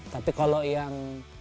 tapi kalau yang